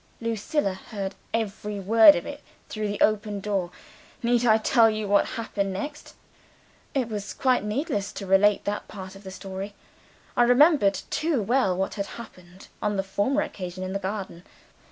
Lucilla heard every word of it, through the open door. Need I tell you what happened next?" It was quite needless to relate that part of the story. I remembered too well what had happened on the former occasion, in the garden.